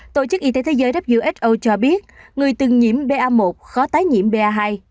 tổ chức y tế thế giới cho biết người từng nhiễm ba một khó tái nhiễm ba hai